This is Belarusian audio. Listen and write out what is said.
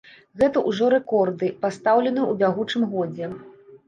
Гэта ўжо рэкорды, пастаўленыя ў бягучым годзе.